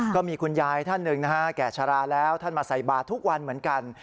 ก็มีคุณยายท่านหนึ่งนะฮะแก่ชะลาแล้วท่านมาใส่บาททุกวันเหมือนกัน